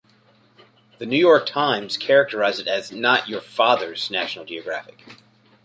The "New York Times" characterized it as "not your father's "National Geographic".